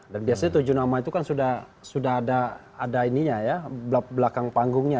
dan biasanya tujuh nama itu kan sudah ada belakang panggungnya